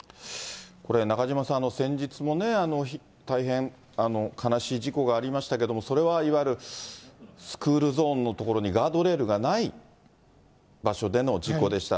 これ、中島さん、先日もね、大変悲しい事故がありましたけれども、それはいわゆるスクールゾーンの所にガードレールがない場所での事故でした。